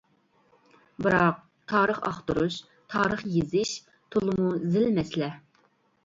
بىراق تارىخ ئاختۇرۇش، تارىخ يېزىش تولىمۇ زىل مەسىلە.